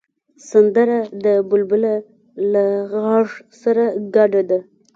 سندره د بلبله له غږ سره ګډه ده